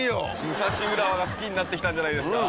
武蔵浦和が好きになってきたんじゃないですか？